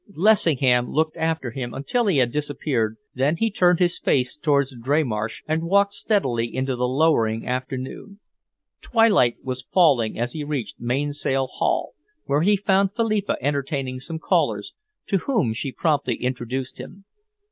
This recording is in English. Lessingham looked after him until he had disappeared, then he turned his face towards Dreymarsh and walked steadily into the lowering afternoon. Twilight was falling as he reached Mainsail Haul, where he found Philippa entertaining some callers, to whom she promptly introduced him.